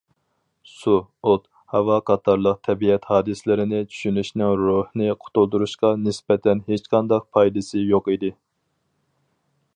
سۇ، ئوت، ھاۋا قاتارلىق تەبىئەت ھادىسىلىرىنى چۈشىنىشنىڭ روھنى قۇتۇلدۇرۇشقا نىسبەتەن ھېچقانداق پايدىسى يوق ئىدى.